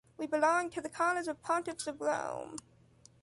We belonged to the college of pontiffs of Rome.